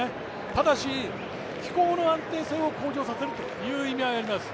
ただし飛行の安定性を向上させるという意味はあります。